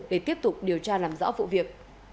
để tiếp tục điều tra làm rõ vụ việc